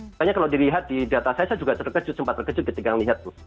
makanya kalau dilihat di data saya saya juga terkejut sempat terkejut ketika melihat bu